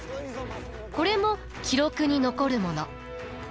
これも記録に残るもの。